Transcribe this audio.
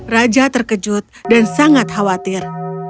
raja terkejut dan sangat khawatir